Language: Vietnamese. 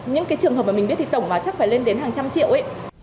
những cái trường hợp mà mình biết thì tổng vào chắc phải lên đến hàng trăm triệu